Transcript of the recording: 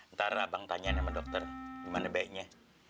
ntar abang tanya sama dokter gimana baiknya